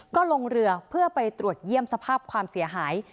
ก็ลงเรือเพื่อไปตรวจเยี่ยมสภาพความเสียหาย